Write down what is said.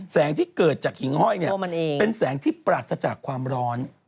ที่เกิดจากหิ่งห้อยเนี่ยเป็นแสงที่ปราศจากความร้อน